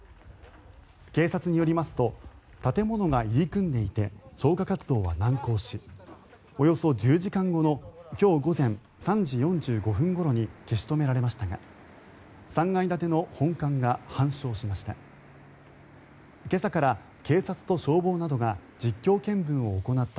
警察によりますと建物が入り組んでいて消火活動は難航しおよそ１０時間後の今日午前３時４５分ごろに消し止められましたが３階建ての本館が半焼しました。